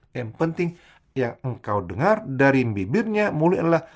yang penting yang engkau dengar dari bibirnya mulai adalah